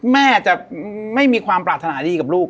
แม่ไม่มีความพลัดทนาดีกับลูก